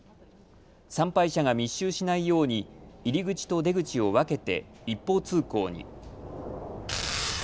参拝者が密集しないように入り口と出口を分けて一方通行に。